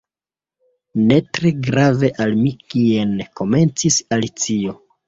"Ne tre grave al mi kien—" komencis Alicio.